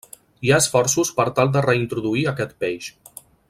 Hi ha esforços per tal de reintroduir aquest peix.